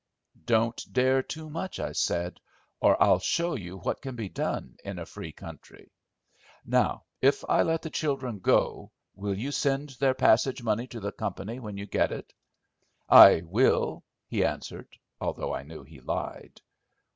"Don't dare too much," I said, "or I'll show you what can be done in a free country. Now, if I let the children go, will you send their passage money to the company when you get it?" "I will," he answered, although I knew he lied.